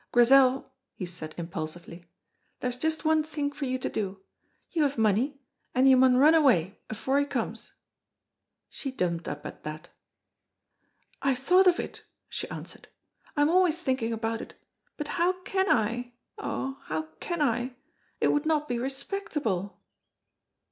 "Grizel," he said impulsively, "there's just one thing for you to do. You have money, and you maun run away afore he comes!" She jumped up at that. "I have thought of it," she answered "I am always thinking about it, but how can I, oh, now can I? It would not be respectable."